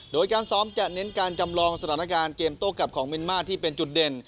โดยการซ้อมจะเน้นการจำลองสถานการณ์เกมโต้กลับของเมียนมาร์ที่เป็นจุดเด่น